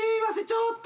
ちょっと。